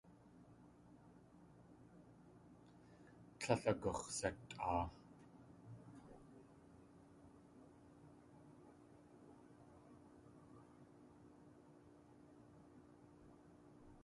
Tlél agux̲satʼaa.